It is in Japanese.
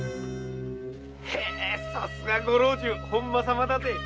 さすがご老中・本間様だぜ。